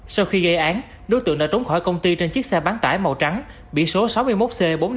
sau khi gây án đối tượng đã trốn khỏi công ty trên chiếc xe bán tải màu trắng bỉ số sáu mươi một c bốn mươi năm nghìn